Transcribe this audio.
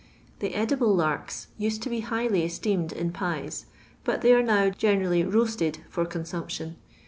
The edible larks used to be highly esteemed in pies, but they are now generally ro; isted for consumption.